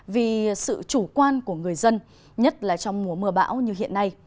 vì sự chủ quan của người dân nhất là trong mùa mưa bão như hiện nay